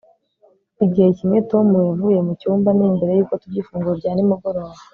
igihe kimwe tom yavuye mucyumba ni mbere yuko turya ifunguro rya nimugoroba